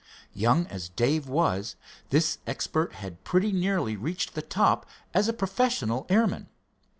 Young as Dave was, this expert had pretty nearly reached the top as a professional airman.